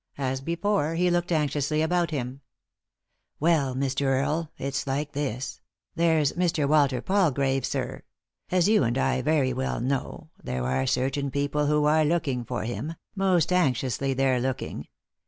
As before, he looked anxiously about him. "Well, Mr. Earle, it's like this— there's Mr. Walter Palgrave, sir. As you and I very well know, there are certain people who are looking for him — most anxiously they're looking.